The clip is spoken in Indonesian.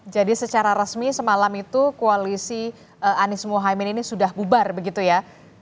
jadi secara resmi semalam itu koalisi anies muhammad ini sudah bubar begitu ya